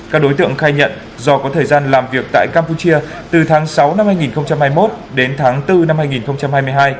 các đối tượng khai nhận do có thời gian làm việc tại campuchia từ tháng sáu năm hai nghìn hai mươi một đến tháng bốn năm hai nghìn hai mươi hai